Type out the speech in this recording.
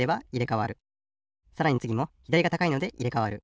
さらにつぎもひだりが高いのでいれかわる。